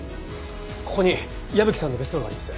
ここに矢吹さんの別荘があります。